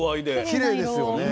きれいですよね。